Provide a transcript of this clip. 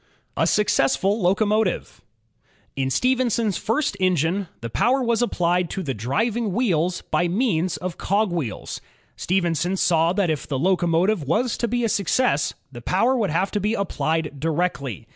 A Successful Locomotive In Stephenson's first engine, the power was applied to the driving wheels by means of cogwheels. Stephenson saw that if the locomotive was to be a success, the power would have to be applied directly.